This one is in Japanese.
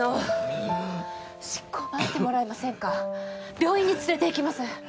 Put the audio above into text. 病院に連れていきます。